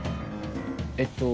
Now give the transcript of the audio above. えっと。